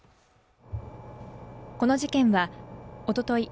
この事件はおととい